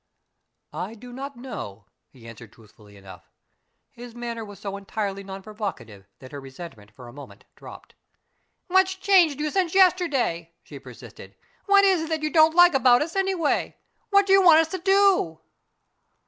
"I do not know," he answered truthfully enough. His manner was so entirely non provocative that her resentment for a moment dropped. "What's changed you since yesterday?" she persisted. "What is it that you don't like about us, anyway? What do you want us to do?"